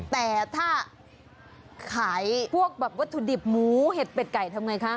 แต่ถ้าขายพวกแบบวัตถุดิบหมูเห็ดเป็ดไก่ทำไงคะ